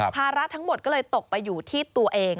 ภาระทั้งหมดก็เลยตกไปอยู่ที่ตัวเอง